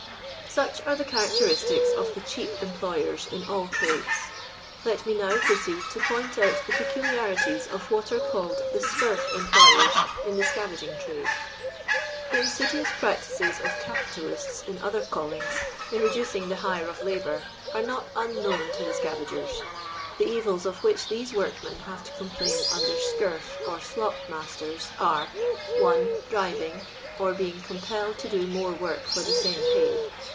Such are the characteristics of the cheap em ployers in all trades. Let me now proceed to point out the peculiarities of wiut are called the •cnrf employers in the scavaging trade. The insidious practices of capitalists in other calling!, in reducing the hire of labour, are not unknown to the scavagers. The evils of which these workmen have to complain under scurf or slop masteri are :— 1. Driving, or being compelled to do more work for the tame pay.